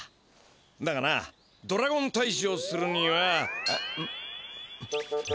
だがなドラゴンたいじをするには。